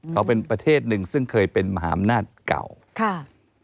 เขาเป็นประเทศหนึ่งซึ่งเคยเป็นมหาอำนาจเก่าค่ะ